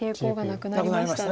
なくなりました。